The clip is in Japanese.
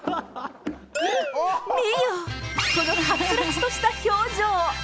見よ、このはつらつとした表情。